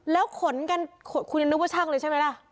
แล้วขนกันคุณยังนึกว่าช่างเลยใช่ไหมล่ะ